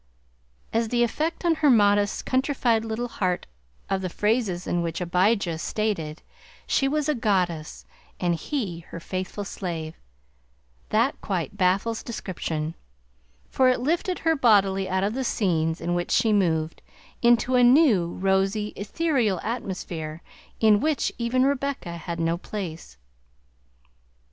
As to the effect on her modest, countrified little heart of the phrases in which Abijah stated she was a goddess and he her faithful slave, that quite baffles description; for it lifted her bodily out of the scenes in which she moved, into a new, rosy, ethereal atmosphere in which even Rebecca had no place.